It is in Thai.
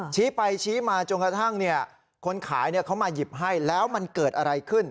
ชี้ไปชี้มาจนกระทั่งคนขายเขามาหยิบให้แล้วมันเกิดอะไรขึ้น